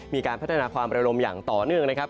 มีการพัฒนาความระลมอย่างต่อเนื่องนะครับ